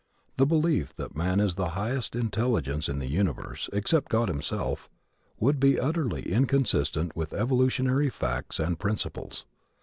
The belief that man is the highest intelligence in the universe, except God himself, would be utterly inconsistent with evolutionary facts and principles.